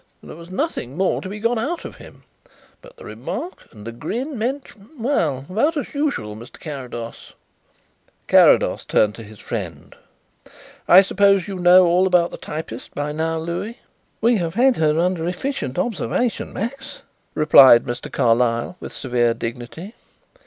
There was nothing more to be got out of him, but the remark and the grin meant well, about as usual, Mr. Carrados." Carrados turned to his friend. "I suppose you know all about the typist by now, Louis?" "We have had her under efficient observation, Max," replied Mr. Carlyle with severe dignity.